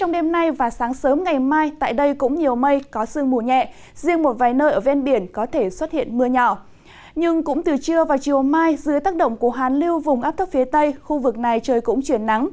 dưới tác động của hàn liêu vùng áp thấp phía tây khu vực này trời cũng chuyển nắng